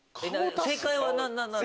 正解は何なの？